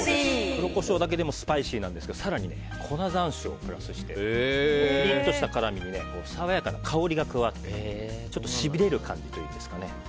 黒コショウだけでもスパイシーなんですが更に粉山椒をプラスしてピリッとした辛みに爽やかな香りが加わってちょっとしびれる感じというんですかね。